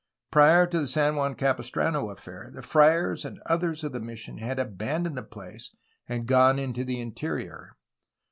Prior to the San Juan Capistrano affair the friars and others of the mission had abandoned the place and gone into the in terior.